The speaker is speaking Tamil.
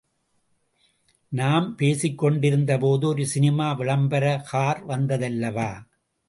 நாம் பேசிக்கிட்டிருந்தபோது ஒரு சினிமா விளம்பர கார் வந்ததல்லவா?